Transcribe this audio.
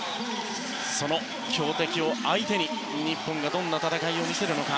その強敵を相手に日本がどんな戦いを見せるか。